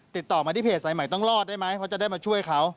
ติดต่อมาที่เพจสายใหม่ต้องรอดได้ไหมเขาจะได้มาช่วยเขา